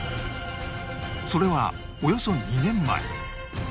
それはおよそ２年前